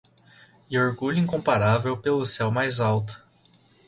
E orgulho incomparável pelo céu mais alto